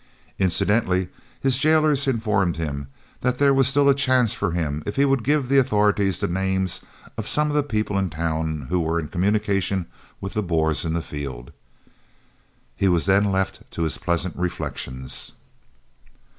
Incidentally his jailers informed him that there was still a chance for him if he would give the authorities the names of some of the people in town who were in communication with the Boers in the field. He was then left to his pleasant reflections.